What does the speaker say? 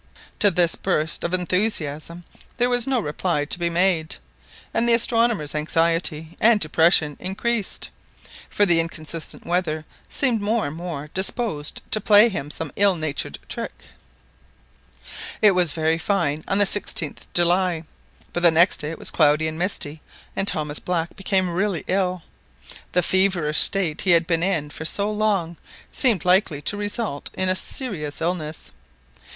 To this burst of enthusiasm there was no reply to be made; and the astronomer's anxiety and depression increased, for the inconstant weather seemed more and more disposed to play him some ill natured trick. It was very fine on the 16th July, but the next day it was cloudy and misty and Thomas Black became really ill. The feverish state he had been in for so long seemed likely to result in a serious illness.